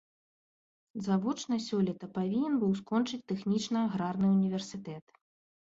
Завочна сёлета павінен быў скончыць тэхнічна-аграрны ўніверсітэт.